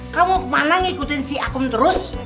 kamu kemana ngikutin si akun terus